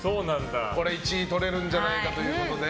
これ、１位とれるんじゃないかということで。